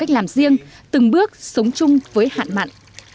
làm riêng từng bước sống chung với hạn mặn